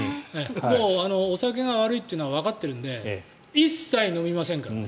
お酒が悪いってのはわかっているので一切飲みませんからね。